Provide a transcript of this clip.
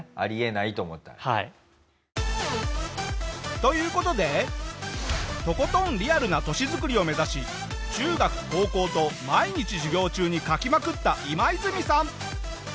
という事でとことんリアルな都市づくりを目指し中学高校と毎日授業中に描きまくったイマイズミさん。